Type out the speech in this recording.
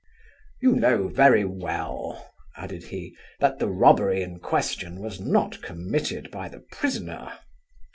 'You know very well (added he) that the robbery in question was not committed by the prisoner.